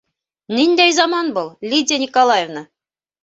Ниндәй заман был, Лидия Николаевна?!